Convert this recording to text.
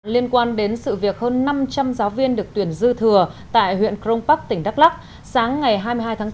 liên quan đến sự việc hơn năm trăm linh giáo viên được tuyển dư thừa tại huyện cronpark tỉnh đắk lắc sáng ngày hai mươi hai tháng bốn